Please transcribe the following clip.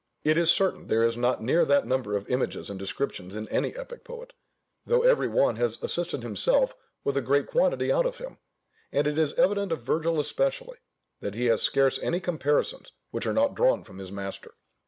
It is certain there is not near that number of images and descriptions in any epic poet, though every one has assisted himself with a great quantity out of him; and it is evident of Virgil especially, that he has scarce any comparisons which are not drawn from his master.